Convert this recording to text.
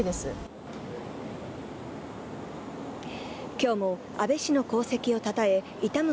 今日も安倍氏の功績をたたえ悼む